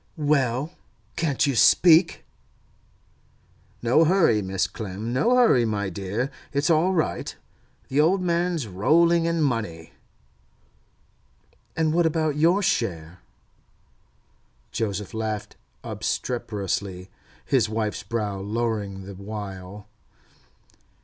'Well, can't you speak?' 'No hurry, Mrs. Clem; no hurry, my dear. It's all right. The old man's rolling in money.' 'And what about your share?' Joseph laughed obstreperously, his wife's brow lowering the while.